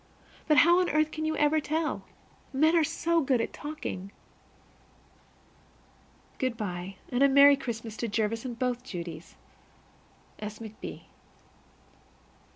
But how on earth can you ever tell? Men are so good at talking! Good by, and a merry Christmas to Jervis and both Judies. S. McB.